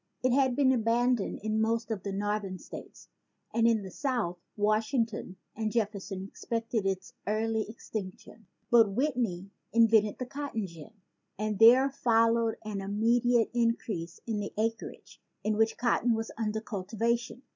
It had been abandoned in most of the northern states; and in the South Washington and Jef ferson expected its early extinction. But Whit ney invented the cotton gin and there followed an immediate increase in the acreage in which cotton was under cultivation.